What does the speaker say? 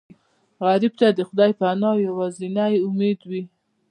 غریب ته د خدای پناه یوازینی امید وي